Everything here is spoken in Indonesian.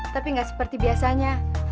tapi gak seperti biasanya